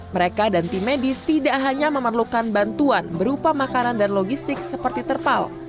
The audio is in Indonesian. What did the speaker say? mereka dan tim medis tidak hanya memerlukan bantuan berupa makanan dan logistik seperti terpal